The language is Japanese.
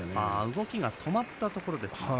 動きが止まったところ。